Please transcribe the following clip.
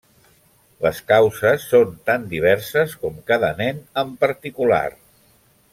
Les causes són tan diverses com cada nen en particular.